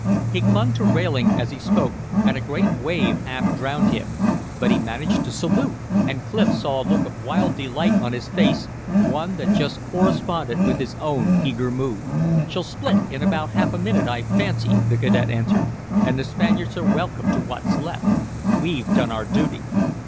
He clung to railing as he spoke, and a great wave half drowned him; but he managed to salute, and Clif saw a look of wild delight on his face, one that just corresponded with his own eager mood. "She'll split in about half a minute, I fancy," the cadet answered, "and the Spaniards are welcome to what's left. We've done our duty."